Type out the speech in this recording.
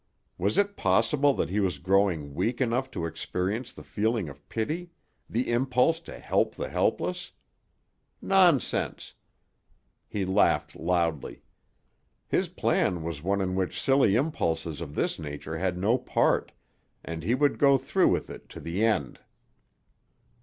Was it possible that he was growing weak enough to experience the feeling of pity, the impulse to help the helpless? Nonsense! He laughed loudly. His plan was one in which silly impulses of this nature had no part, and he would go through with it to the end.